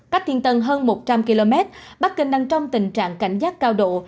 cách thiên tân hơn một trăm linh km bắc kinh đang trong tình trạng cảnh giác cao độ